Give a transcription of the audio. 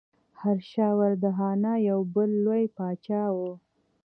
هرشا وردهنا یو بل لوی پاچا و.